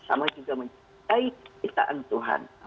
sama juga mencintai ciptaan tuhan